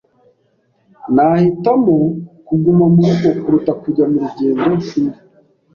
Nahitamo kuguma murugo kuruta kujya mu rugendo shuri.